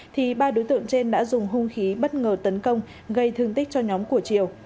thì ba đối tượng trên đã dùng hung khí bất ngờ tấn công gây thương tích cho nhóm của triều